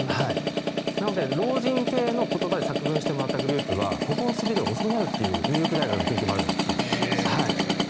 なので、老人系の言葉で作文してもらったグループは歩行スピードが遅くなるというニューヨーク大学の研究があるんです。